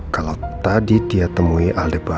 kalau tadi dia temui oleh